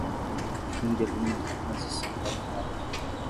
Fim de linha na transição planetária